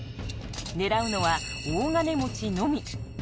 狙うのは大金持ちのみ。